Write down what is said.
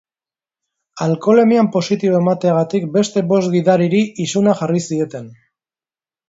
Alkoholemian positibo emateagatik beste bost gidariri isuna jarri zieten.